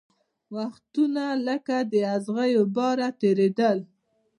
وختونه لکه د اغزیو باره تېرېدل